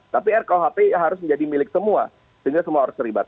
tapi rkuhp harus menjadi milik semua sehingga semua harus terlibat